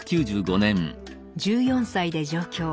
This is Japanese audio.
１４歳で上京。